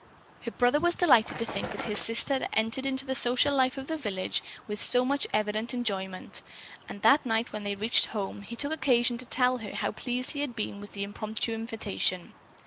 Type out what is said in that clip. Her brother was delighted to think that his sister had entered into the social life of the village with so much evident enjoyment, and that night when they reached home he took occasion to tell her how pleased he had been with the impromptu invitation.